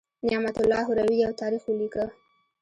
نعمت الله هروي یو تاریخ ولیکه.